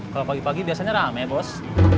kalau pagi pagi biasanya rame bos